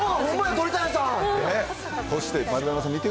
鳥谷さん。